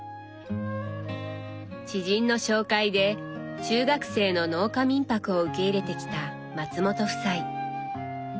知人の紹介で中学生の農家民泊を受け入れてきた松本夫妻。